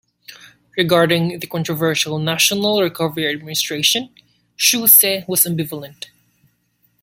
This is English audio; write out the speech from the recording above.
Regarding the controversial National Recovery Administration, Shouse was ambivalent.